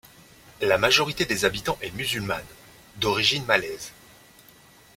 La majorité des habitants est musulmane, d'origine malaise.